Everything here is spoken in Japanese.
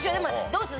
どうする？